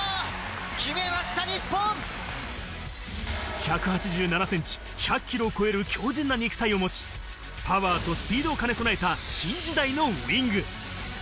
１８７ｃｍ、１００ｋｇを超える強靭な肉体を持ち、パワーとスピードを兼ね備えた新時代のウイング。